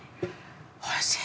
おいしい！